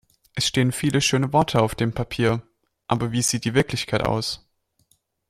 Es stehen viele schöne Worte auf dem Papier, aber wie sieht die Wirklichkeit aus?